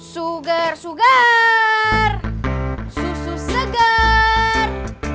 sugar sugar susu segar